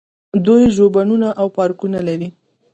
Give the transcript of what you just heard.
دوی ژوبڼونه او پارکونه لري.